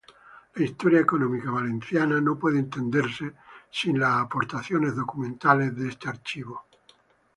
La historia económica valenciana no puede entenderse sin las aportaciones documentales de este archivo.